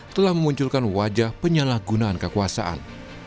telah memunculkan wajah penyalahgunaan kekuasaan